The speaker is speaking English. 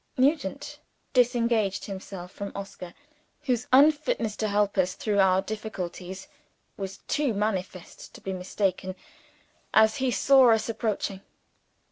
Nugent disengaged himself from Oscar whose unfitness to help us through our difficulties was too manifest to be mistaken as he saw us approaching.